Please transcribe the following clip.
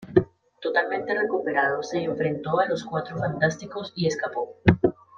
Totalmente recuperado, se enfrentó a los Cuatro Fantásticos, y escapó.